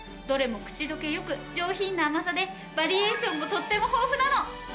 どれも口溶け良く上品な甘さでバリエーションもとっても豊富なの。